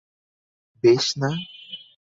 বেশ, না।